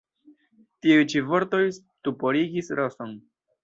Tiuj ĉi vortoj stuporigis Roson.